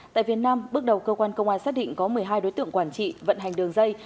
tại việt nam bước đầu cơ quan công an xác định có một mươi hai đối tượng quản trị vận hành đường dây